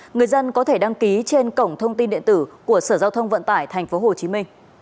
người dân có thể đăng ký trên cổng thông tin điện tử của sở giao thông vận tải tp hcm